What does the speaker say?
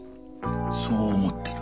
そう思ってる。